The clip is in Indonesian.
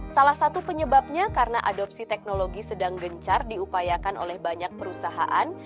salah satu penyebabnya karena adopsi teknologi sedang gencar diupayakan oleh banyak perusahaan